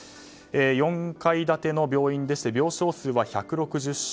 ４階建ての病院で病床数は１６０床。